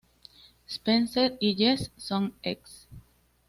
Spencer y Jess son ex.